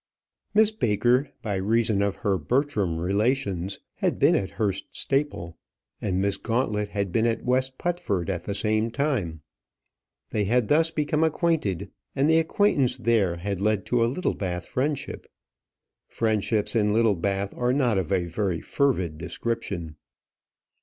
Miss Baker, by reason of her Bertram relations, had been at Hurst Staple, and Miss Gauntlet had been at West Putford at the same time. They had thus become acquainted, and the acquaintance there had led to a Littlebath friendship. Friendships in Littlebath are not of a very fervid description.